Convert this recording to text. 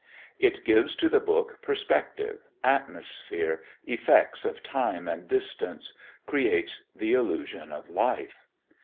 It gives to the book perspective, atmosphere, effects of time and distance, creates the illusion of life.